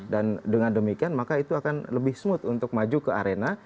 dan dengan demikian maka itu akan lebih smooth untuk maju ke arena